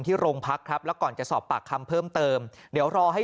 โรงพักครับแล้วก่อนจะสอบปากคำเพิ่มเติมเดี๋ยวรอให้